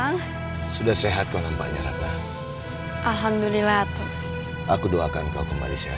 namanya memang okey